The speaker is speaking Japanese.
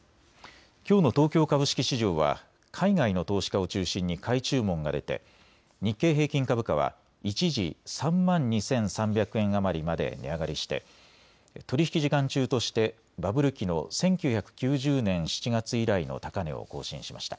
きょうの東京株式市場は海外の投資家を中心に買い注文が出て日経平均株価は一時、３万２３００円余りまで値上がりして取り引き時間中としてバブル期の１９９０年７月以来の高値を更新しました。